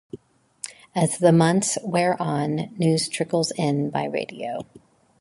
As the months wear on, news trickles in by radio.